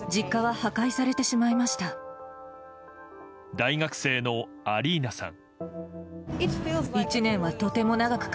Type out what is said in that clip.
大学生のアリーナさん。